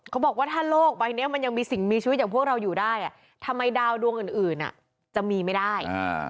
เขาบอกว่าถ้าโลกใบนี้มันยังมีสิ่งมีชีวิตอย่างพวกเราอยู่ได้ทำไมดาวดวงอื่นจะมีไม่ได้